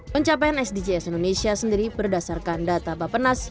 pencapaian sdgs indonesia sendiri berdasarkan data bapenas